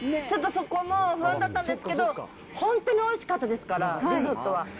ちょっとそこも不安だったんですけど、本当においしかったですから、リゾットは。